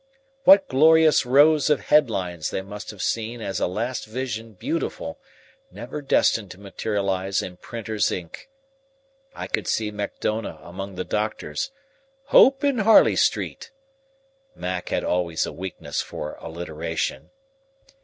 What glorious rows of head lines they must have seen as a last vision beautiful, never destined to materialize in printer's ink! I could see Macdona among the doctors "Hope in Harley Street" Mac had always a weakness for alliteration.